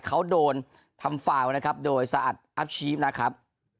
เขาโดนทำฟาวนะครับโดยสะอัดอัพชีฟนะครับ